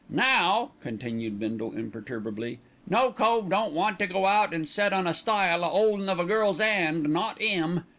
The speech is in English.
"Now," continued Bindle imperturbably, "no cove don't want to go out an' set on a stile a 'oldin' of a gal's 'and: not 'im.